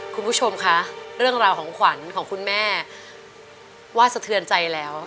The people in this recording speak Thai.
คุณผู้ชมคะเรื่องราวของขวัญของคุณแม่ว่าสะเทือนใจแล้ว